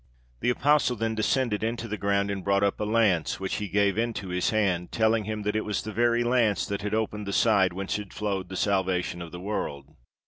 The apostle then descended into the ground and brought up a lance, which he gave into his hand, telling him that it was the very lance that had opened the side whence had flowed the salvation of the world.